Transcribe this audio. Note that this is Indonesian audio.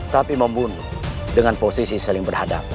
tapi membunuh dengan posisi saling berhadapan